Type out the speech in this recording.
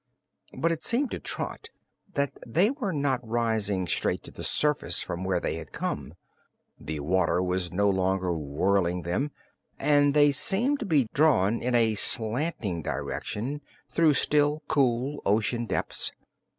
But it seemed to Trot that they were not rising straight to the surface from where they had come. The water was no longer whirling them and they seemed to be drawn in a slanting direction through still, cool ocean depths.